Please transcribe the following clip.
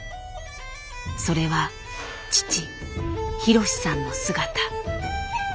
それは父博さんの姿。